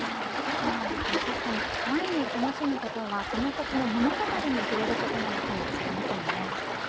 そうなんですね、確かにワインを楽しむことはその土地の物語に触れることなのかもしれませんね。